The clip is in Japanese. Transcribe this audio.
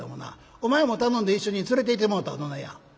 お前も頼んで一緒に連れていってもうたらどないや」。